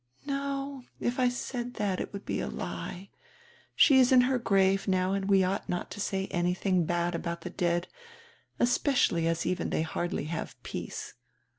"No. If I said that it would be a lie. She is in her grave now and we ought not to say anything bad about the dead, especially as even they hardly have peace.